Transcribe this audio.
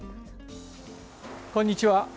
こんにちは。